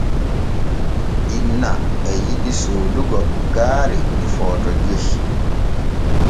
Inna e yiɗi soodugo gaari ni Footo joy.